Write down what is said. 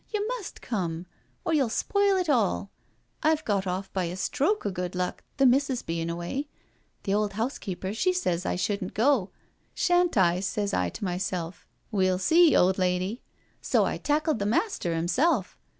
You must come, or you'll spoil it all. I've got off by a stroke o' good luck, the missus bein' away. The old house keeper she sez I shouldn't go — shan't I, sez I to mysel', we'll see, old lady I So I tackled the master 'imself.